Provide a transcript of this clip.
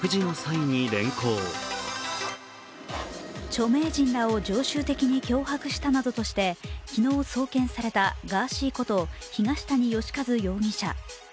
著名人らを常習的に脅迫したなどとして、昨日送検されたガーシーこと東谷義和容疑者。